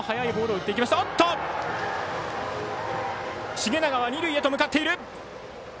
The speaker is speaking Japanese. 繁永は二塁へ向かっている。